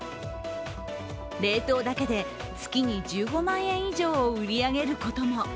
冷凍だけで月に１５万円以上を売り上げることも。